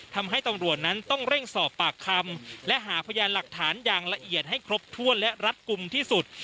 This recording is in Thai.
ทำให้ตำรวจนั้นต้องเร่งสอบปากคำและหาพยานหลักฐานอย่างละเอียดให้ครบถ้วนและรัดกลุ่มที่สุด